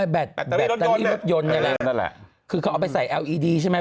แบตไม่ยนต์แยะแล้วคือเขาเอาไปใส่เอลอีดิใช่ไหม